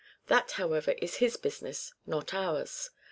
That, however, is his business, not ours.